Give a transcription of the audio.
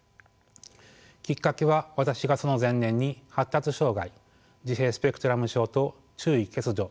きっかけは私がその前年に発達障害自閉スペクトラム症と注意欠如